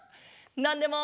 「なんでも」！